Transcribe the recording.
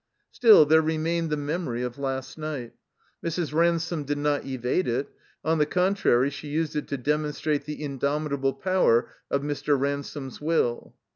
Still, there remained the memory of last night. Mrs. Ransome did not evade it ; on the contrary, she used it to demonstrate the indomitable power of Mr. Ransome's will.